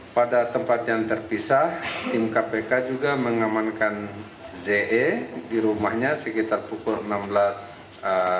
pada tempat yang terpisah tim kpk juga mengamankan ze di rumahnya sekitar pukul enam belas waktu indonesia barat